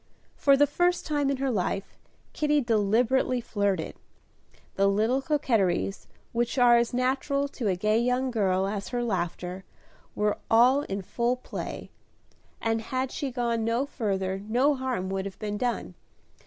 For the first time in her life, Kitty deliberately flirted. The little coquetries, which are as natural to a gay young girl as her laughter, were all in full play, and had she gone no further no harm would have been done.